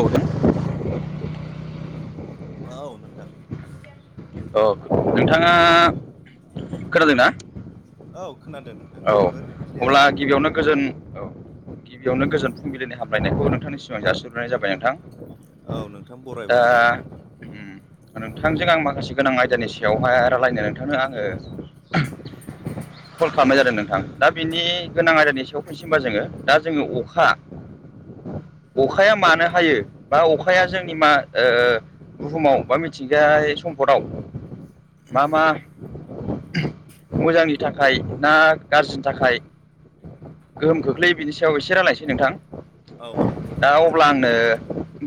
औ नोंथां। औ नोंथां। अ नोंथाङा खोनादोंना? औ खोनादों नोंथां औ जोबोद अब्ला क्लियारै खोनाफैदों। [unintelligible] औ। गिबियावनो गोजोन फुंबिलिनि हामलायनायखौ नोंथांनिसिम आं जासिहरग्रोनाय जाबाय नोंथां। औ नोंथां दा बरायबाय। उम नोंथांजों आं माखासे गोनां आयदानि सायावहाय रायलायनो नोंथांनो आङो कल खालामनाय जादों नोंथां दा बिनि गोनां आयदानि सायाव फैसै होनबा जोङो दा जोङो अखा अखाया मानो हायो बा अखाया जोंनि मा ओ बुहुमाव बा मिथिंगायारि सम्पदाव मा मा मोजांनि थाखाय ना गाज्रिनि थाखाय गोहोम खोख्लैयो बिनि सायाव एसे रायलायनोसै नोंथां। औ औ नोंथां दा अब्ला थारैनो आंनो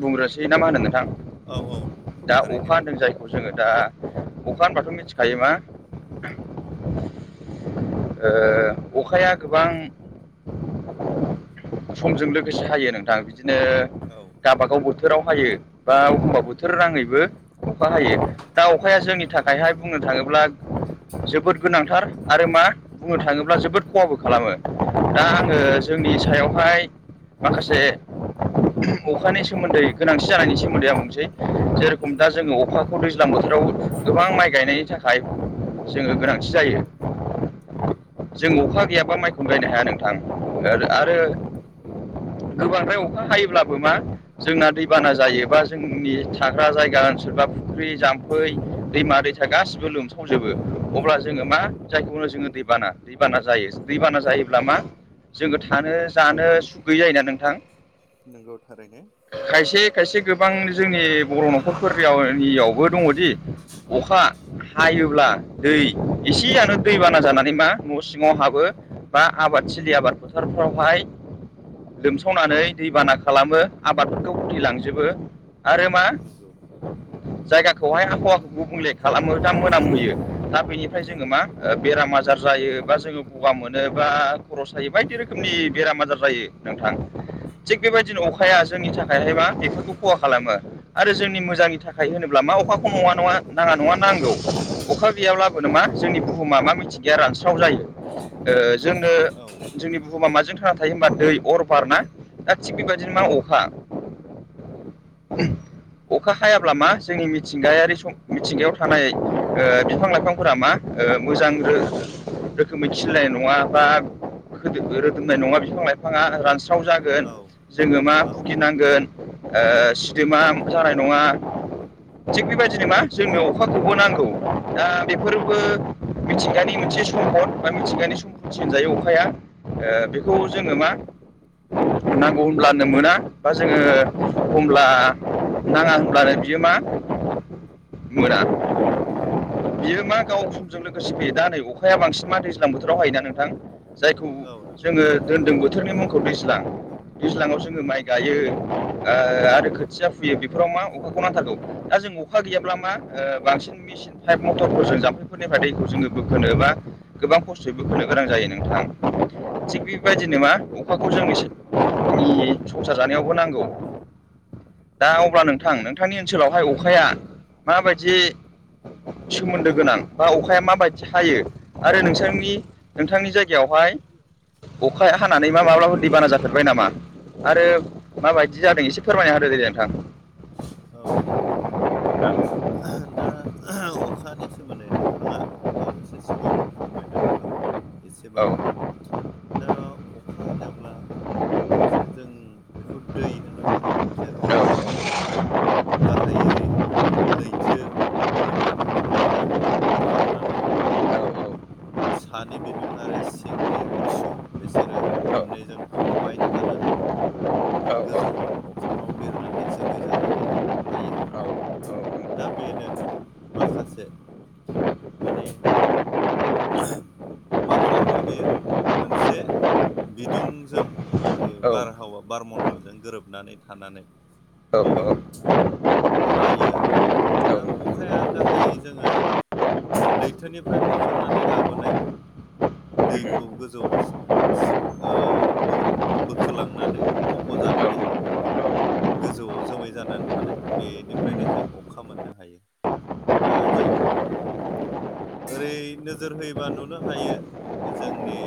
बुंग्रोसै ना मा होनो नोंथां औ औ दा थारैनो अखा होनदों जाय खौ जोङो दा अखा होनबाथ' मिथिखायो मा ओ अखाया गोबां समजों लोगोसे हायो नोंथां बिदिनो औ गावबागाव बोथो राव हायो बा एखमबा बोथोर नाङैबो अखा हायो दा अखाया जोंनि थाखायहाय बुंनो थाङोब्ला जोबोद गोनांथार आरो मा बुंनो थाङोब्ला जोबोद खहाबो खालामो। दा औ आङो जोंनि सायावहाय माखासे अखानि सोमोन्दै गोनांथि जानायनि सोमोन्दै आं बुंनोसै जेरखम दा नंगौ जोङो अखा खौ दैज्लां बोथोराव गोबां माइ गायनायनि थाखाय जोङो गोनांथि जायो। नोंगौ। जों अखा गैयाबा माइखौनो गायनो हाया नोंथां ओ नंगौ आरो गोबांद्राय अखा हायोब्लाबो मा जोंना दैबाना जायो बा जोंनि थाग्रा जायगा ओनसोल बा फुख्रि जाम्फै दैमा दै सा गासिबो लोमसावजोबो अब्ला जोङो औ मा जायखौ होनो जोङो दैबाना दैबाना जायो दैबाना जायोब्ला मा जोङो थानो जानो सुखै गैयै जायोना नोंथां? नोंगौ थारैनो। खायसे खायसे गोबां जोंनि बर' न'खरफोरनियाव नियावबो दङदि अखा हायोब्ला दै एसेयानो दै बाना जाना नै मा न' सिङाव हाबो बा आबाद थिलि आबाद फोथारफ्रावहाय लोमसावनानै दैबाना खालामो आबादफोरखौ उथिलांजोबो। आरो मा नंगौ जायगाखौहाय आबहावाखौ गुबुंले खालामो दा मोनामहोयो दा बेनिफ्राय जोङो नंगौ मा ओ बेरामा आजार जायो बा जोङो गगा मोनो बा खरस थायो बायदि रोखोमनि बेराम आजार जायो नोंथां। थिग बेबायदिनो अखाया जोंनि थाखायहायबा बेफोरखौ खहा खालामो आरो जोंनि मोजांनि थाखाय थाय- होनोब्ला मा अखाखौ नङा नङा नाङा नङा नांगौ अखा गैयाब्लाबोनो मा जोंनि बुहुमा मा मिथि गैया रानस्राव जायो ओ जोंनो औ जोंनि बुहुमा माजों थां थाय- होमबा दै अर बार ना दा थिग बेबायदिनो मा अखा [inaudible] अखा हायाब्ला मा जोंनि मिथिंगायारि सम मिथिंगायाव थानाय ओ बिफां लाइफांफोरा मा ओ मोजां रो रोखोमै खिलिनाय नङा बा खोदो रोदोमनाय नङा बिफां लाइफाङा रानसि गोथाव जागोन औ जोङो मा औ भुगिनांगोन सिदेमा जानाय नङा थिग बेबायदिनो मा जोंनो अखाखौबो नांगौ दा बेफोरबो मिथिंगानि मोनसे सम्पद बा मिथिंगानि सम्पद थिनजायो अखाया बेखौ जोङो मा नांगौ होमब्लानो मोना बा जोङो एमब्ला नाङा होनब्लानो बियो मा मोना [unintelligible] बियो मा गाव समजों लोगोसे फैयो दा नै अखाया बांसिन मा दैज्लां बोथोराव हायोना नोंथां? जायखौ औ नंगौ जोङो नंगौ दोनदों बोथोरनि मुंखौ दैज्लां। दैज्लाङाव जोङो माइ गायो आ आरो खोथिया फुयो बेफोराव मा अखाखौ नांथारगौ दा जों अखा अखा गैयाब्ला मा बांसिन मेसिन पाइप मटरफोर जों जाम्फैफोरनिफ्राय दैखौ जोङो बोखोनो बा गोबां खस्थ'यबो बोखोनो गोनां जायो नोंथां थिग बेबायदिनो मा अखाखौ जों एसे आनि संसार जानायावबो नांगौ। दा अब्ला नोंथां नोंथांनि ओनसोलावहाय अखाया माबायदि? सोमोन्दो गोनां बा अखाया माबायदि हायो आरो नोंसोरनि नोंथांनि जायगायावहाय अखाया हानानै मा माब्लाबफोर दैबाना जाफेरबाय नामा? आरो माबायदि जादों एसे फोरमायना होदो दे दे नोंथां? औ नोंगौ। दा अखानि सोमोन्दै नोंथाङा बावैसो सिगाङाव फोरमायनानै होलांबाय औ एसेबाबो दा अखा होनोब्ला मोनसे जों बेखौ दै होननांगोन जेराव बेयो गाहायै बेयो लैथो लैथोमानिफ्राय जों बुखांनानै सानि बिदुं आरो सिंनि गुसु बिसोरो औ मोननैजों कमबायन जानानै [inaudible] माने गोजौ अख्राङाव बिरनानै जोमै जानानै थायो दा बेनो माखासे माने- मा खालामो बेयो मोनसे बिदुंजों माने औ बारहावा बारमन्दलजों गोरोबनानै थानानै बेयो हायो आरो नोंथां दा अखाया गाहायै जोङो लैथोनिफ्राय बुखांनानै लाबोनाय दैखौ गोजौआव ओ बो बोखोलांनानै खफ' जानानै गोजौआव जोमै जानानै थानाय बेनिफ्रायनो जों अखा मोननो हायो। दा जों ओरै नोजोर होयोबा नुनो हायो जोंनि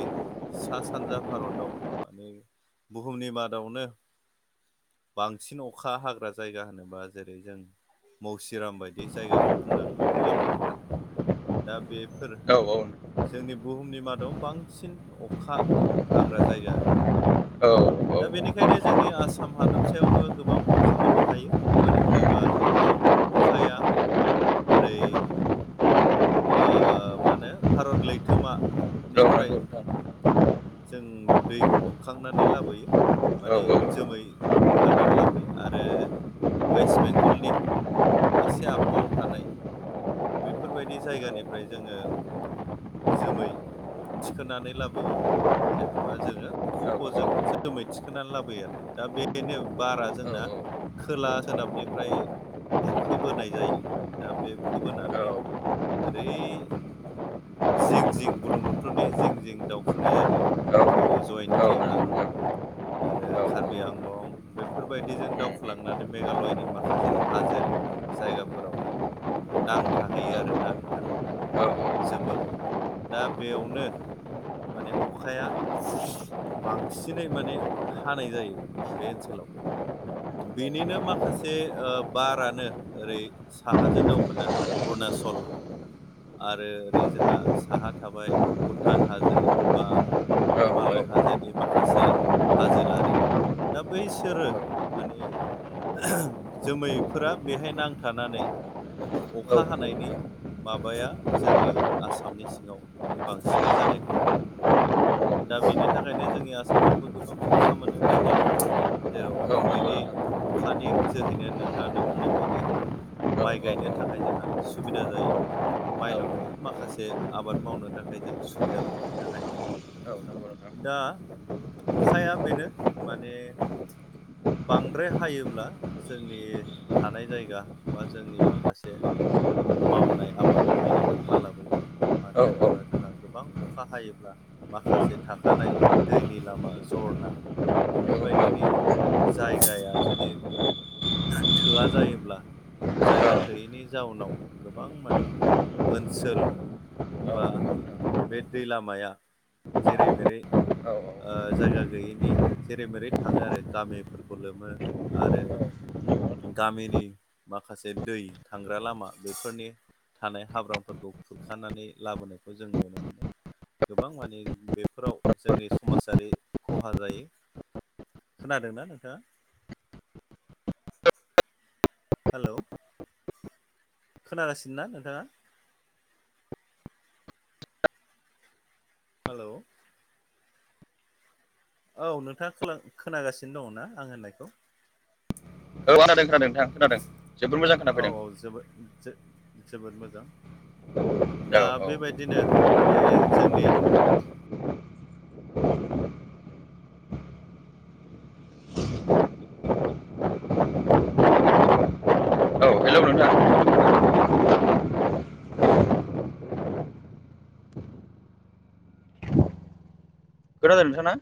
सा- सानजा भारताव माने बुहुमनि मादावनो बांसिन अखा हाग्रा जायगा होनोबा जेरै जों मौसिराम बायदि जायगाखौ बुंनाङो मेघालयआव थानाय दा बेफोर औ औ जोंनि बुहुमनि मादाव बांसिन अखा हाग्रा जायगा आरो औ औ दा बेनिखायनो जोंनि आसाम हादबसायावबो गोबां अखा मोननो हायो। मानो होनोबा जोंहा अखाया ओरै आ मा होनो भारत नंगौ लैथोमानिफ्राय नोंथां। औ नंगौ नोंथां। जों दैखौ बुखांनानै लाबोयो माने जोमै लानानै लाबोयो आरो वेस्ट बेंगलनि एसे आफाङाव थानाय बेफोरबायदि जायगानिफ्राय जोङो जोमै थिखोनानै लाबोयो जेनेबा जोङो खफ'जों जोमै थिखोनानै लाबोयो आरो दा बेनो बारा जोंना खोला सोनाबनिफ्राय बुखोबोनाय जायो दा बे बुखोबोनानै औ ओरै जिं जिं बुलुंबुथुरनि जिं जिं दावखोनाय जायो जेरै जयन्तिया आरो कार्बि आंलं बेफोरबायदिजों दावखोलांनानै मेघालयनि माखासे हाजो जायगाफोराव माने नांथाहैयो आरोना नोंथां बे औ जोमैया दा बेयावनो माने अखाया बांसिनै माने हानाय जायो बे ओनसोलाव औ बेनिनो माखासे आ बारानो ओरै साहाजों दावखोनानै अरुणाचल आरो ओरै जोंहा साहा थाबाय भुटान हाजो बा औ हिमालय खोनादों हाजोनि माखासे हाजोलारि दा बैसोरो माने जोमैफोरा बेहाय नांथानानै अखा हानायनि माबाया जोंनि आसामनि सिङाव माने बांसिनै जानायखौ नुनो मोनो दा बेनि थाखायनो जोंनि आसामावबो गोबां अखा मोनो दैज्लां बोथोराव जेराव बिनि खोनादों अखानि जोहैनो नोंथाङानो बुंनाय बायदि माइ गायनो थाखाय जोंहा सुबिदा जायो माइल' नङा माखासे आबाद मावनो थाखाय जों सुबिदाखौ मोननो हायो दा अखाया बेनो माने बांद्राय हायोब्ला जोंनि थानाय जायगा बा जोंनि माखासे मावनाय आबाद बेनि खहा लाबोयो मानो होनोबा जोंहा गोबां अखा बा जरना बेफोरबायदिनि जायगाया जुदि दा थोआ जायोब्ला जायगा थोयैनि जाउनाव गोबां माने ओनसोल बा बे दै लामाया जेरै मेरै आ जायगा गैयिनि जेरै मेरै थाङो आरो गामिफोरखौ लोमो आरो गामिनि माखासे दै थांग्रा लामा बेफोरनि थानाय हाब्रांफोरखौ खुरखानानै लाबोनायखौ जों नुनो मोनो गोबां माने बेफोराव जोंनि समाजारि खहा जायो खोनादोंना नोंथाङा हेलौ खोनागासिनो ना नोंथाङा हेलौ औ नोंथाङा खोला खोनागासिनो दङना आं होननायखौ नोंथां खोनादों जोबोद मोजां औ खोनाफैदों औ जोबोद जो जोबोद मोजां औ दा बेबायदिनो माने जोंनि औ हेलौ नोंथां खोनादों नोंथां ना